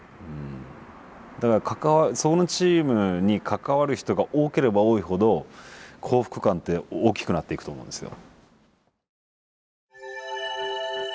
だからそのチームに関わる人が多ければ多いほど幸福感って大きくなっていくと思うんですよ。